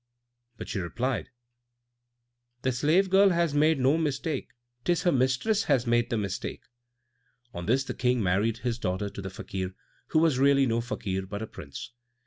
But she replied, "The slave girl has made no mistake, 'tis her mistress has made the mistake." On this the King married his daughter to the Fakir, who was really no Fakir, but a Prince.